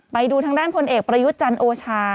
ไปดูทางด้านพลเอกประยุทธ์จันทร์โอชา